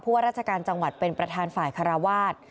ว่าราชการจังหวัดเป็นประธานฝ่ายคาราวาส